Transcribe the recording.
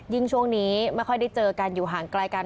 ช่วงนี้ไม่ค่อยได้เจอกันอยู่ห่างไกลกัน